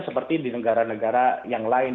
seperti di negara negara yang lain